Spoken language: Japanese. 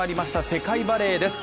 世界バレーです。